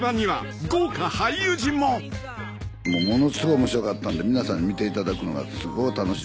ものすごい面白かったんで皆さんに見ていただくのがすごい楽しみでございます。